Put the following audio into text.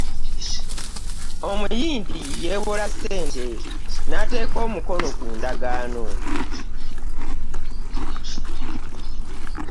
Omuyindi yewola ssente nateeka omukolo ku ndagaano.